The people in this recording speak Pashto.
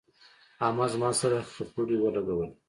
احمد زما سره خپړې ولګولې.